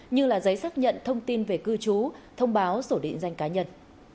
như giấy xác nhận thông tin về cư trú thông báo sổ định danh cá nhân